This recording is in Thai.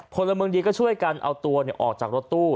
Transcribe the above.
พลเมืองดีก็ช่วยกันเอาตัวออกจากรถตู้